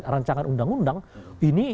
rancangan undang undang ini